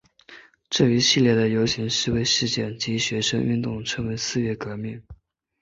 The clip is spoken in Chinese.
这一系列的游行示威事件及学生运动称为四月革命。